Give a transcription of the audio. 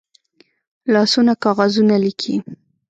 لاسونه کاغذونه لیکي